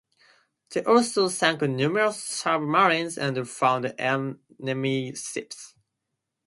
They also sank numerous submarines and found enemy ships.